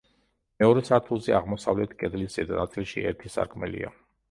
მეორე სართულზე, აღმოსავლეთ კედლის ზედა ნაწილში ერთი სარკმელია.